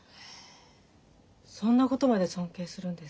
そんなことまで尊敬するんですか？